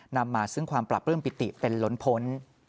นำมาซึ่งความปรับปลื้มปิติเป็นล้นพ้น